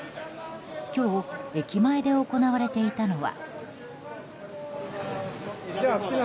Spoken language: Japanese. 今日、駅前で行われていたのは。